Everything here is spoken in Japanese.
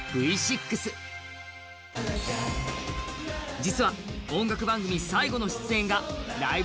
実は音楽番組最後の出演が「ライブ！